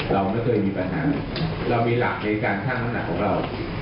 เราไม่เคยมีปัญหาเรามีหลักในการช่างน้ำหนักของเรา